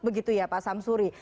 begitu ya pak samsuri